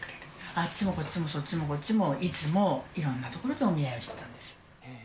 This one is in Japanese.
あっちもこっちも、そっちもこっちも、いつもいろんな所でお見合いをしてたんですよ。